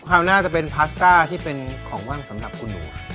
ราวหน้าจะเป็นพาสต้าที่เป็นของว่างสำหรับคุณหนู